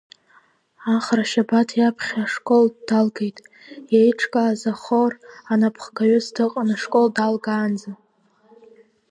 Ахра Шьабаҭ иаԥхьа ашкол далгеит, иеиҿкааз ахор анапхгаҩыс дыҟан ашкол далгаанӡа.